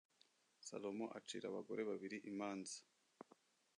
Salomo acira abagore babiri imanza